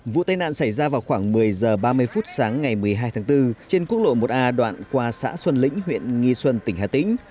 vụ tai nạn xảy ra vào khoảng một mươi h ba mươi phút sáng ngày một mươi hai tháng bốn trên quốc lộ một a đoạn qua xã xuân lĩnh huyện nghi xuân tỉnh hà tĩnh